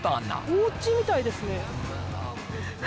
おうちみたいですね